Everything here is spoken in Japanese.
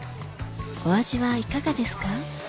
お味はいかがですか？